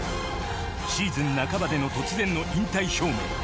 シーズン半ばでの突然の引退表明。